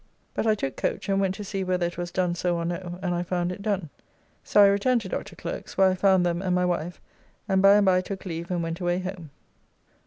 Williamson, vol. i., 1889, p. 725).] but I took coach and went to see whether it was done so or no, and I found it done. So I returned to Dr. Clerke's, where I found them and my wife, and by and by took leave and went away home.